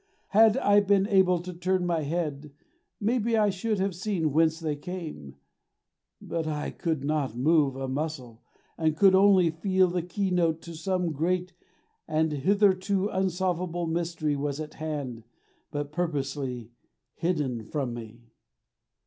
Had I been able to turn my head, maybe I should have seen whence they came; but I could not move a muscle, and could only feel the keynote to some great and hitherto unsolvable mystery was at hand but purposely hidden from me.